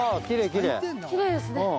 きれいですね。